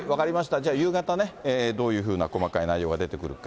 じゃあ夕方ね、どういうふうな細かい内容が出てくるか。